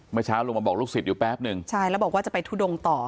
เมื่อเช้าลงมาบอกลูกศิษย์อยู่แป๊บหนึ่งใช่แล้วบอกว่าจะไปทุดงต่อ